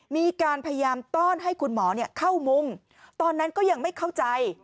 มีการพยายามต้อนให้คุณหมอเข้ามุมตอนนั้นก็ยังไม่เข้าใจ